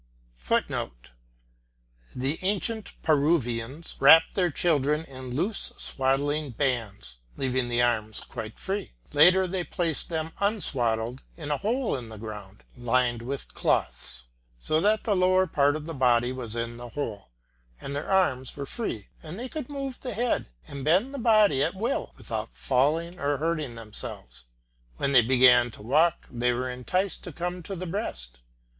[Footnote: The ancient Peruvians wrapped their children in loose swaddling bands, leaving the arms quite free. Later they placed them unswaddled in a hole in the ground, lined with cloths, so that the lower part of the body was in the hole, and their arms were free and they could move the head and bend the body at will without falling or hurting themselves. When they began to walk they were enticed to come to the breast.